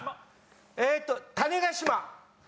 えーっと種子島。